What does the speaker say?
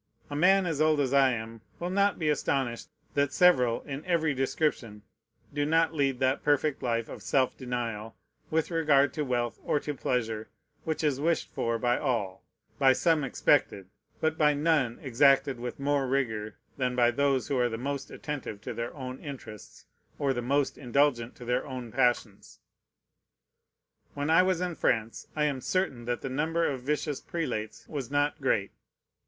A man as old as I am will not be astonished that several, in every description, do not lead that perfect life of self denial, with regard to wealth or to pleasure, which is wished for by all, by some expected, but by none exacted with more rigor than by those who are the most attentive to their own interests or the most indulgent to their own passions. When I was in France, I am certain that the number of vicious prelates was not great.